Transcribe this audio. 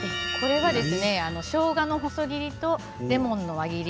しょうがの細切りとレモンの輪切り